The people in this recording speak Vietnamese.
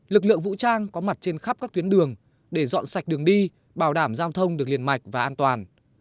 lực lượng vũ trang có mặt trên khắp các tuyến đường để dọn sạch đường đi bảo đảm giao thông được liền mạch và an toàn